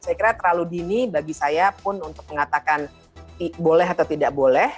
saya kira terlalu dini bagi saya pun untuk mengatakan boleh atau tidak boleh